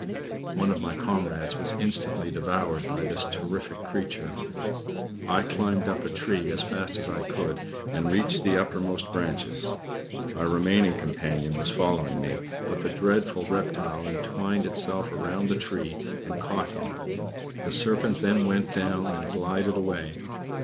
One of my comrades was instantly devoured by this terrific creature. I climbed up a tree as fast as I could, and reached the topmost branches; my remaining companion was following me, but the dreadful reptile entwined itself round the tree and caught him. The serpent then went down and glided away.